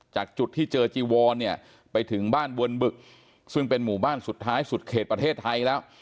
จากจุดที่เจอจีวอนเนี่ยไปถึงบ้านวนบึกซึ่งเป็นหมู่บ้านสุดท้ายสุดเขตประเทศไทยแล้ว